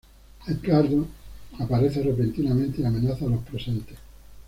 Edgardo aparece repentinamente y amenaza a los presentes.